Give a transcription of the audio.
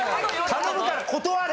頼むから断れ！